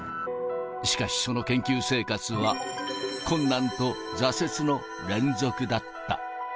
しかし、その研究生活は、困難と挫折の連続だった。